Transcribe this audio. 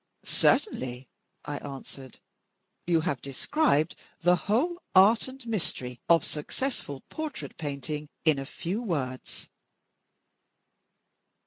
"Certainly," I answered. "You have described the whole art and mystery of successful portrait painting in a few words."